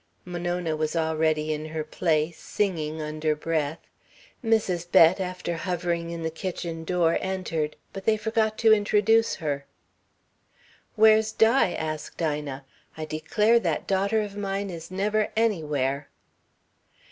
Monona was already in her place, singing under breath. Mrs. Bett, after hovering in the kitchen door, entered; but they forgot to introduce her. "Where's Di?" asked Ina. "I declare that daughter of mine is never anywhere."